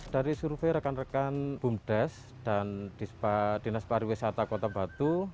dari survei rekan rekan bumdes dan dinas pariwisata kota batu